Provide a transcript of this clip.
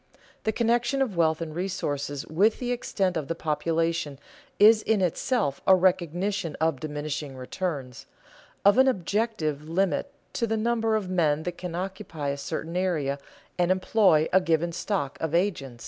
The connection of wealth and resources with the extent of the population is in itself a recognition of diminishing returns, of an objective limit to the number of men that can occupy a certain area and employ a given stock of agents.